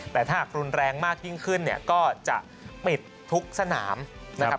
แต่ถ้าหากรุนแรงมากยิ่งขึ้นเนี่ยก็จะปิดทุกสนามนะครับ